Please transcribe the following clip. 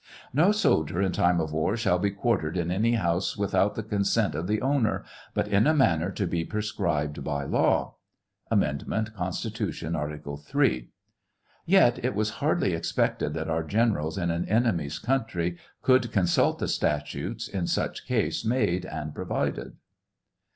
" No soldier in time of war shall be q^uartered in any house without the con sent of the owner, but in a manner to be prescribed by law," (Amend. Con Art. Ill ;) yet it was hardly expected that our generals in an enemy's countrj would consult the statutes " in such case made and provided."